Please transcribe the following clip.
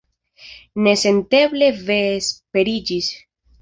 Nesenteble vesperiĝis.